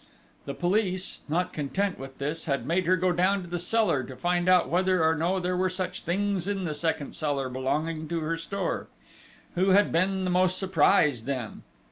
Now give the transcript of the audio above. The police, not content with this, had made her go down to the cellar to find out whether or no there were such things in the second cellar belonging to her store!... Who had been most surprised then?